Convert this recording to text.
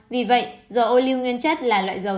vì vậy dầu ô lưu nguyên chất là loại dầu